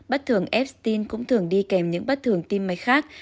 bất thường ép tin cũng thường đi kèm những bất thường tim mạch khác